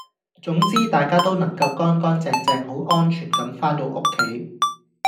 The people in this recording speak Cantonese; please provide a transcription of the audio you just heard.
總之大家都能夠乾乾淨淨好安全咁番到屋企